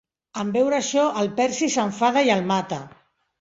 En veure això, el Percy s'enfada i el mata.